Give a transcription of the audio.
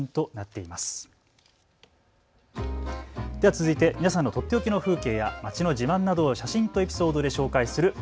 続いて皆さんのとっておきの風景や街の自慢などを写真とエピソードで紹介する＃